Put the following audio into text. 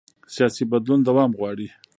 سیاسي بدلون دوام غواړي